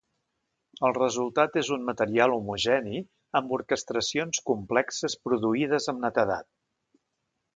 El resultat és un material homogeni amb orquestracions complexes produïdes amb netedat.